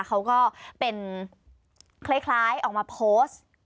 เขาก็เป็นคล้ายออกมาโพสต์